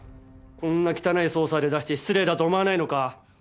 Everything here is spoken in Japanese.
こんな汚いソーサーで出して失礼だと思わないのか？